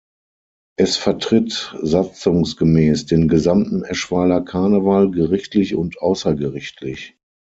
Es vertritt satzungsgemäß den gesamten Eschweiler Karneval gerichtlich und außergerichtlich.